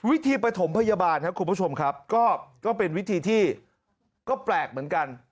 วิธีปฐมพยาบาลครับคุณผู้ชมครับก็เป็นวิธีที่ก็แปลกเหมือนกัน